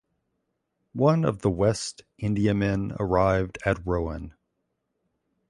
One of the West Indiamen arrived at Royan.